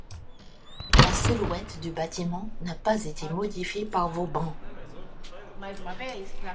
La silhouette du bâtiment n'a pas été modifiée par Vauban.